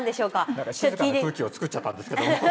何か静かな空気をつくっちゃったんですけども。